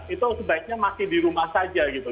itu sebaiknya masih di rumah saja gitu